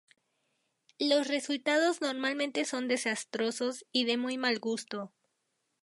Los resultados normalmente son desastrosos y de muy mal gusto.